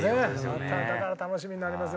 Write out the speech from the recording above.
まただから楽しみになりますよね